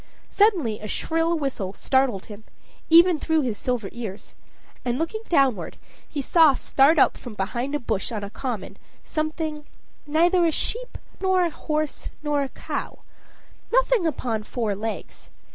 Suddenly a shrill whistle startled him, even through his silver ears, and looking downward, he saw start up from behind a bush on a common, something Neither a sheep nor a horse nor a cow nothing upon four legs.